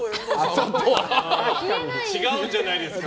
違うんじゃないですか？